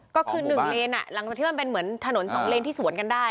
ก็คือ๑เลนหลังจากที่มันเป็นเหมือนถนนสองเลนที่สวนกันได้